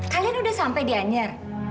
kalian sudah sampai di anjar